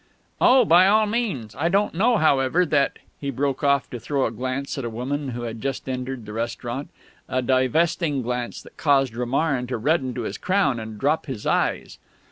"Oh, by all means. I don't know, however, that " he broke off to throw a glance at a woman who had just entered the restaurant a divesting glance that caused Romarin to redden to his crown and drop his eyes.